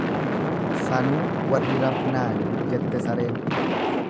"Sanuu warri rafnaani"" jette sareen."